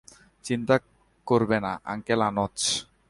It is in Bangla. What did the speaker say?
চিন্তা করবে না, আঙ্কেল আনোচ।